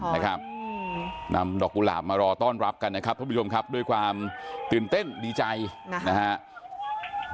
นะครับนำดอกกุหลาบมารอต้อนรับกันนะครับท่านผู้ชมครับด้วยความตื่นเต้นดีใจนะฮะ